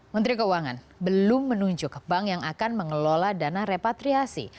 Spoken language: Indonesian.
menteri keuangan belum menunjuk bank yang akan mengelola dana repatriasi